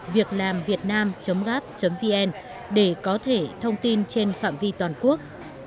việclamvietnam gap vn để có thể thông tin trên phạm vi toàn quốc